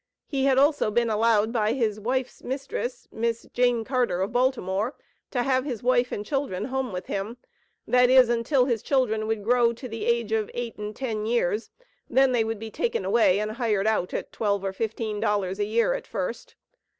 He had also been allowed by his wife's mistress (Miss Jane Carter, of Baltimore), to have his wife and children home with him that is, until his children would grow to the age of eight and ten years, then they would be taken away and hired out at twelve or fifteen dollars a year at first.